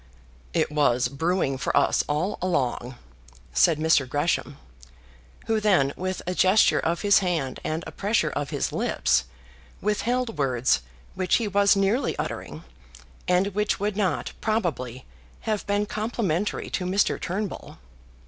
"It was brewing for us all along," said Mr. Gresham, who then with a gesture of his hand and a pressure of his lips withheld words which he was nearly uttering, and which would not, probably, have been complimentary to Mr. Turnbull.